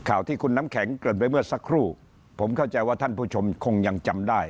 ข่าวที่คุณน้ำแข็งเกินไปเมื่อสักครู่ผมเข้าใจว่าท่านผู้ชมคงยังจำได้